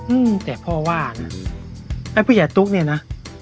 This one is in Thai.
อืมแต่พ่อว่านะไอ้ผู้ใหญ่ตุ๊กเนี่ยนะ